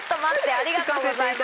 ありがとうございます。